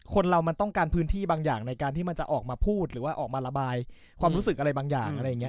คนเรามันต้องการพื้นที่บางอย่างในการที่มันจะออกมาพูดหรือว่าออกมาระบายความรู้สึกอะไรบางอย่างอะไรอย่างนี้